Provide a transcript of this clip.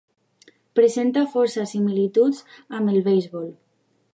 Presenta força similituds amb el beisbol.